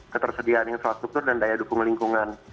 ketersediaan infrastruktur dan daya dukung lingkungan